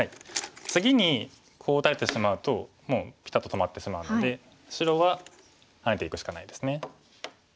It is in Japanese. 次にこう打たれてしまうともうピタッと止まってしまうので白はハネていくしかないですね。